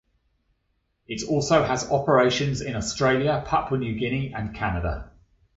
It also has operations in Australia, Papua New Guinea and Canada.